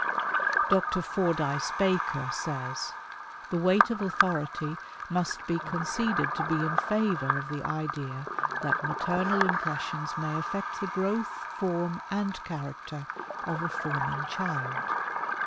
Dr. Fordyce Baker says: "The weight of authority must be conceded to be in favor of the idea that maternal impressions may effect the growth, form and character of a forming child."